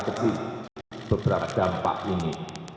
kecil untuk mengatasi beberapa dampak ini